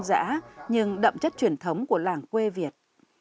tất cả nhưng đậm chất truyền thống của làng quê việt